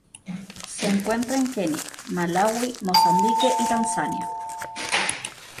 Se encuentra en Kenia, Malaui, Mozambique y Tanzania.